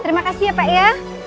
terima kasih ya pak ya